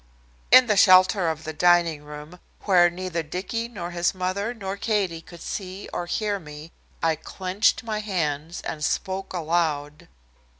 In the shelter of the dining room, where neither Dicky nor his mother nor Katie could see or hear me, I clenched my hands and spoke aloud.